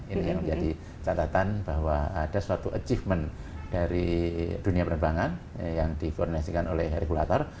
ini yang menjadi catatan bahwa ada suatu achievement dari dunia penerbangan yang dikoordinasikan oleh regulator